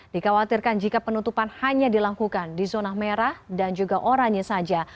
dikhawatirkan jika penutupan hanya dilakukan di zona merah dan juga oranye saja